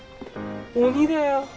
鬼だよ。